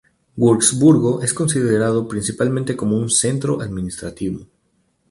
Wurzburgo es conocido principalmente como centro administrativo.